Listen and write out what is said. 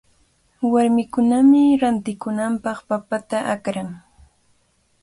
Warmikunami rantikunanpaq papata akran.